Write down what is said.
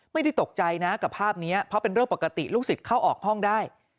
ไม่ได้ตกใจนะกับภาพนี้เพราะเป็นเรื่องปกติลูกศิษย์เข้าออกห้องได้